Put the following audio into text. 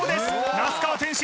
那須川天心